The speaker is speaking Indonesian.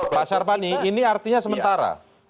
pak syarpani ini artinya sementara